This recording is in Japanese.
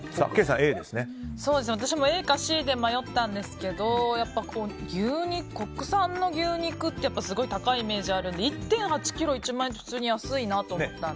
私もＡかＣで迷ったんですが国産の牛肉ってすごい高いイメージあるので１．８ｋｇで８万円ってすごい安いなと思ったので。